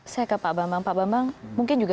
saya ke pak bambang pak bambang mungkin juga